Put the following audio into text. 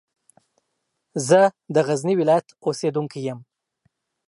زه د غزني ولایت اوسېدونکی یم.